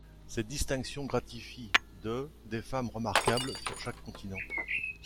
Cette distinction gratifie de des femmes remarquables sur chaque continent.